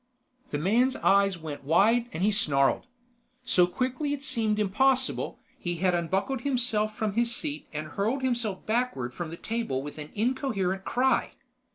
The man's eyes went wide and he snarled. So quickly it seemed impossible, he had unbuckled himself from his seat and hurled himself backward from the table with an incoherent cry.